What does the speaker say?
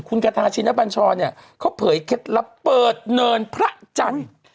คุณกระทาชินบัญชรเนี่ยเขาเผยเคล็ดลับเปิดเนินพระจันทร์